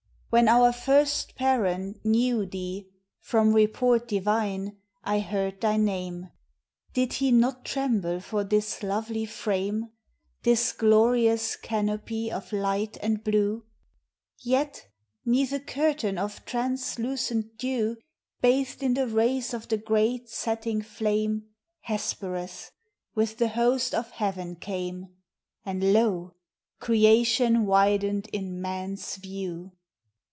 when our first parent knew Thee, from report divine, I heard thy name, Did he not tremble for this lovely frame, — This glorious canopy of light and blue? Yet 'neath a curtain of translucent dew. Bathed in the rays of the great setting flame, Hesperus, with the host of heaven, came, And lo! creation widened in man's view.